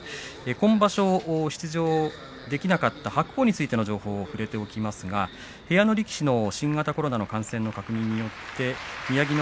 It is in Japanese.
今場所出場できなかった白鵬についての情報に触れておきますが部屋の力士の新型コロナへの感染の確認によって宮城野